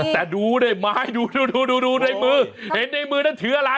แต่ดูได้ไหมดูดูในมือเห็นในมือนั้นถืออะไร